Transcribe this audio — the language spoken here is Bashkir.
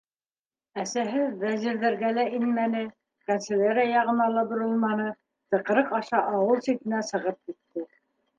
Әсәһе Вәзирҙәргә лә инмәне, канцелярия яғына ла боролманы, тыҡрыҡ аша ауыл ситенә сығып китте.